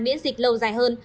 miễn dịch lâu dài hơn